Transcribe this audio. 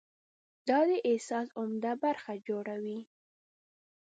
دا د احساس عمده برخه جوړوي.